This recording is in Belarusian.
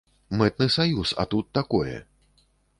Мытны саюз, а тут такое.